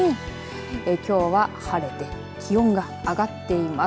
きょうは晴れて気温が上がっています。